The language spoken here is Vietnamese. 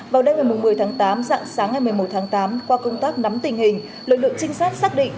vào đêm ngày một mươi tháng tám dạng sáng ngày một mươi một tháng tám qua công tác nắm tình hình lực lượng trinh sát xác định